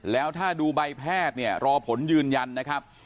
แล้วถ้าดูใบแพทย์เนี่ยรอผลยืนยันนะครับ